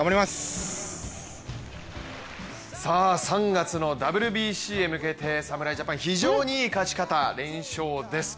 ３月のＷＢＣへ向けて侍ジャパン、非常にいい勝ち方連勝です。